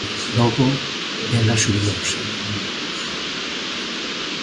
Logo ela xubilouse.